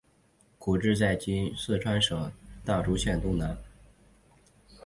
故治在今四川省大竹县东南。